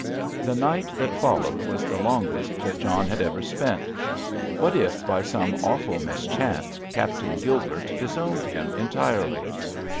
The night that followed was the longest that John had ever spent. What if by some awful mischance Captain Gilbert disowned him entirely?